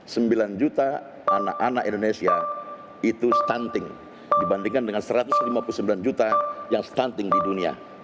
sembilan juta anak anak indonesia itu stunting dibandingkan dengan satu ratus lima puluh sembilan juta yang stunting di dunia